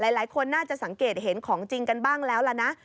หลายคนน่าจะสังเกตเห็นของจริงกันบ้างแล้วล่ะนะ